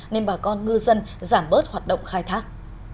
nên bà con ngư dân giảm bớt hoạt động khai thác